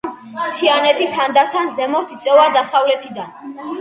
მთიანეთი თანდათან ზემოთ იწევა დასავლეთიდან.